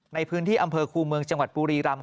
ในพื้นที่อำเภอคูเมืองจังหวัดบุรีรำ